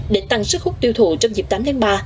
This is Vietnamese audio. để tăng sức hút tiêu thụ trong dịp tám tháng ba